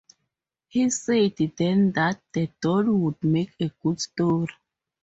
He said then that the doll would make a good story.